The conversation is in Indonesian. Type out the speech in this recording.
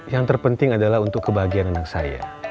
yang terpenting adalah untuk kebahagiaan anak saya